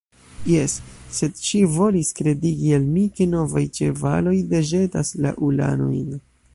Jes, sed ŝi volis kredigi al mi, ke novaj ĉevaloj deĵetas la ulanojn.